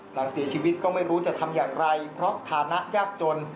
หลังเสียชีวิตก็ไม่รู้จะทำอย่างไรเพราะฐานะยากจน